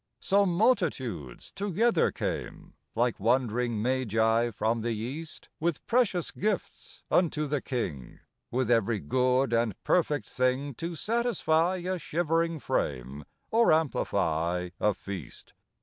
So multitudes together came, Like wandering magi from the East With precious gifts unto the King, With every good and perfect thing To satisfy a shivering frame Or amplify a feast.